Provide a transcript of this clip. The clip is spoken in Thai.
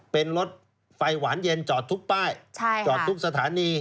เป็นรถไฟหวานเย็นจอดทุกป้ายจอดทุกสถานี